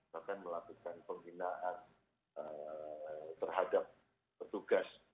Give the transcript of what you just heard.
bahkan melakukan pembinaan terhadap petugas